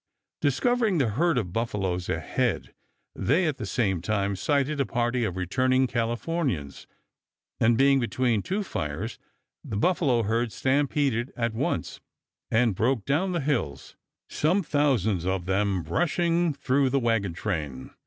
Discovering the herd of buffaloes ahead, they at the same time sighted a party of returning Californians, and, being between two fires, the buffalo herd stampeded at once, and broke down the hills, some thousands of them rushing through the wagon train.